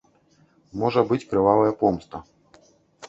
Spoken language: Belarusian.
Можа быць крывавая помста.